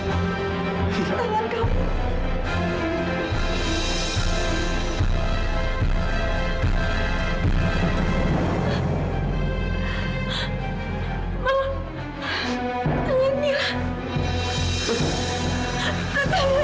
akhirnya tangan kamu bisa bergerak lagi